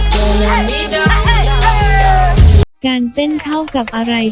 คุณคิดว่าคุณก็ทำได้